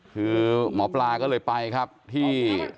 คือหมอปลาก็เลยไปครับที่หมู่บ้านนะครับ